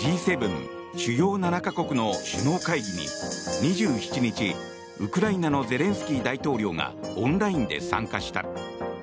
主要７か国の首脳会議に２７日、ウクライナのゼレンスキー大統領がオンラインで参加した。